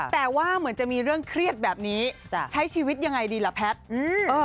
แต่ว่าเหมือนจะมีเรื่องเครียดแบบนี้ใช้ชีวิตยังไงดีล่ะแพทย์